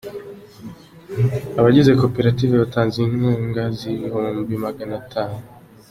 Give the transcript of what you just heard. Abagize Koperative batanze inkunga y’ibihumbi maganatanu